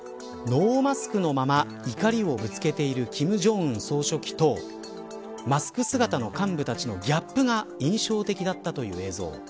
ノーマスクのまま怒りをぶつけている金正恩総書記とマスク姿の幹部たちのギャップが印象的だったという映像。